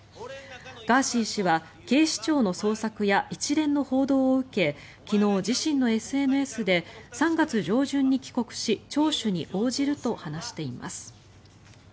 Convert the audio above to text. ガーシー氏は警視庁の捜索や一連の報道を受け昨日、自身のＳＮＳで３月上旬に帰国し聴取に応じると話しています。